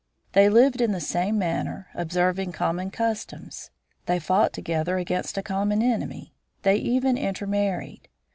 They lived in the same manner, observing common customs. They fought together against a common enemy. They even intermarried.